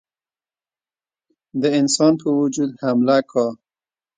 د انسان په وجود حمله کوي.